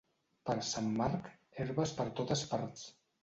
Per Sant Marc, herbes per totes parts.